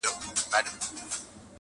پېریانو ته کوه قاف څشي دی؟ -